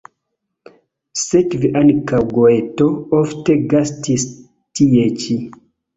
Sekve ankaŭ Goeto ofte gastis tie ĉi.